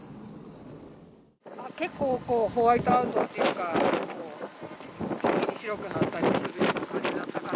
結構ホワイトアウトっていうか、急に白くなったりする状況だったから。